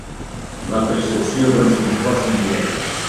La percepció d'uns imposts indirectes.